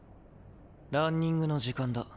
ランニングの時間だ。